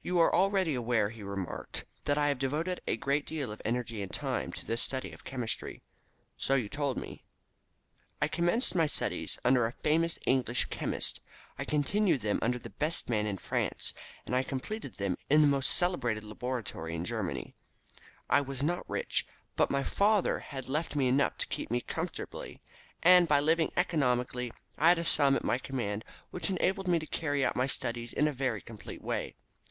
"You are already aware," he remarked, "that I have devoted a great deal of energy and of time to the study of chemistry." "So you told me." "I commenced my studies under a famous English chemist, I continued them under the best man in France, and I completed them in the most celebrated laboratory of Germany. I was not rich, but my father had left me enough to keep me comfortably, and by living economically I had a sum at my command which enabled me to carry out my studies in a very complete way.